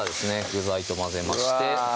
具材と混ぜましてうわ